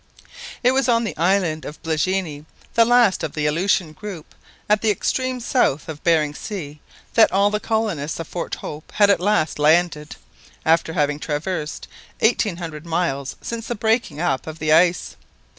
It was on the island of Blejinie, the last of the Aleutian group, at the extreme south of Behring Sea, that all the colonists of Fort Hope at last landed, after having traversed eighteen hundred miles since the breaking up of the ice.